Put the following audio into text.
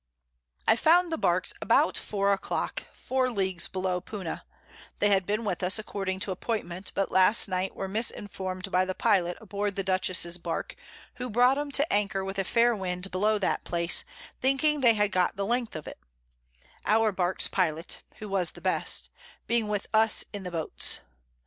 I found the Barks about 4 a Clock 4 Leagues below Puna: They had been with us according to Appointment, but last Night were misinform'd by the Pilot aboard the Dutchess's Bark, who brought 'em to anchor with a fair Wind below that Place, thinking they had got the Length of it; our Bark's Pilot (who was the best) being with us in the Boats.